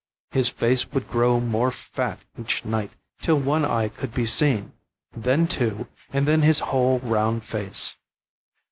His face would grow more fat each night, till one eye could be seen, then two, and then his whole round face.